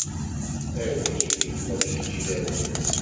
A lḥif-ik, ma d kečč i d argaz!